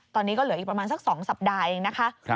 ตอนนี้ก็เหลืออีกประมาณสัก๒สัปดาห์เองนะคะ